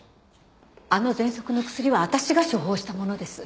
あの喘息の薬は私が処方したものです。